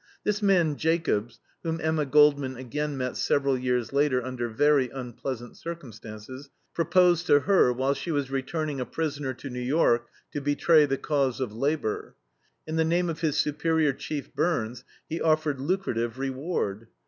This man Jacobs (whom Emma Goldman again met several years later under very unpleasant circumstances) proposed to her, while she was returning a prisoner to New York, to betray the cause of labor. In the name of his superior, Chief Byrnes, he offered lucrative reward.